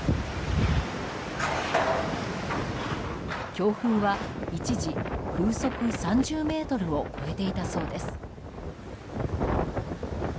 強風は一時、風速３０メートルを超えていたそうです。